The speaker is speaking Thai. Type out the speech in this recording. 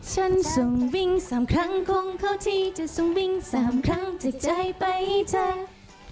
ฉันส่งวิ่ง๓ครั้งคงเข้าที่จะส่งวิ่ง๓ครั้งจากใจไปให้เธอ